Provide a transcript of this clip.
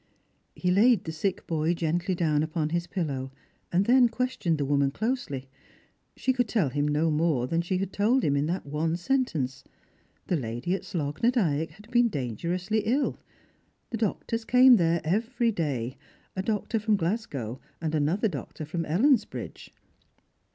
He laid the sick boy gently down upon his pillow, and then questioned the woman closely. She could tell him no more than she had told him in that one sentence. The lady at Slogh na Dyack had been dangerously ill ; the doctors came there every day : a doctor from Glasgow, and another doctor from Ellens bridge.